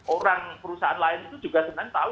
orang perusahaan lain itu juga sebenarnya tahu